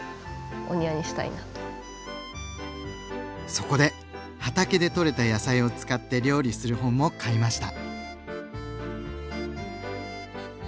そこで畑でとれた野菜を使って料理する本も買いました。